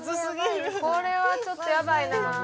これはちょっとヤバいな。